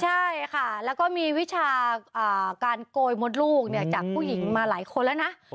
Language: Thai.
ใช่ค่ะแล้วก็มีวิชาการโกยมดลูกจากผู้หญิงมาหลายคนแล้วนะ